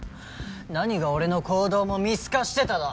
何が俺の行動も見透かしてただ。